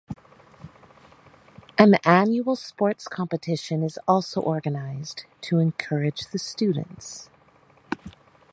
An annual sports competition is also organized to encourage the students.